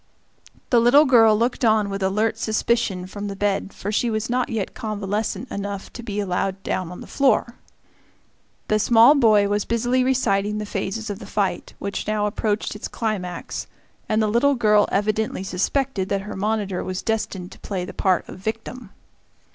The little girl looked on with alert suspicion from the bed, for she was not yet convalescent enough to be allowed down on the floor. The small boy was busily reciting the phases of the fight, which now approached its climax, and the little girl evidently suspected that her monitor was destined to play the part of victim.